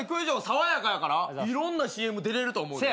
爽やかやからいろんなＣＭ出れると思うで。